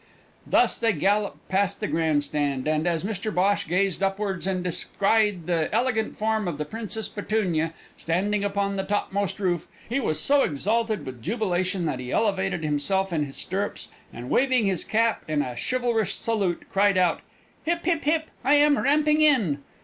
Thus they galloped past the Grand Stand, and, as Mr Bhosh gazed upwards and descried the elegant form of the Princess Petunia standing upon the topmost roof, he was so exalted with jubilation that he elevated himself in his stirrups; and waving his cap in a chivalrous salute, cried out: "Hip hip hip! I am ramping in!"